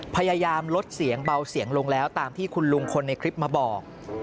พยายามลดเสียงเบาเสียงลงแล้วตามที่คุณลุงคนในคลิปมาบอก